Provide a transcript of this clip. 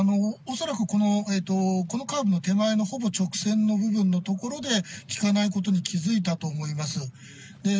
恐らくこのカーブの手前のほぼ直線の部分の所で、利かないことに気付いたと思います。